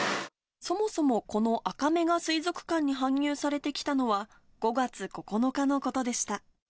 そもそもこのアカメが水族館に搬入されてきたのは、５月９日のことでした。